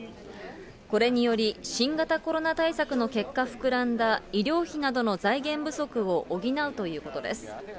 これにより、新型コロナ対策の結果膨らんだ医療費などの財源不足を補うということです。